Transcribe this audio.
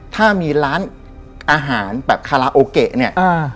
ถ้ามีร้านอาหารแบบคาราโอเกะเนี่ย